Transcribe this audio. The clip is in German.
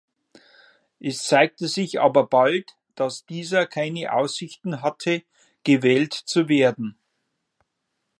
Es zeigte sich aber bald, dass dieser keine Aussichten hatte, gewählt zu werden.